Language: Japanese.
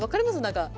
何か。